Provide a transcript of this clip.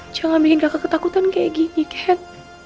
jangan bikin kakak ketakutan kayak gini head